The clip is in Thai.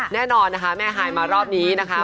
แน่นอนนะคะแม่ฮายมารอบนี้นะคะ